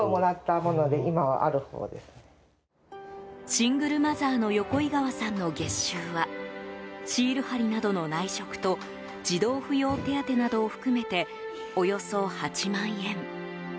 シングルマザーの横井川さんの月収はシール貼りなどの内職と児童扶養手当などを含めておよそ８万円。